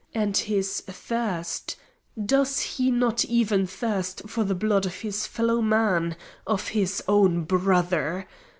And his thirst does he not even thirst for the blood of his fellow man of his own brother?